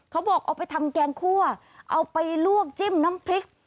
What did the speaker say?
เอาไปทำแกงคั่วเอาไปลวกจิ้มน้ำพริก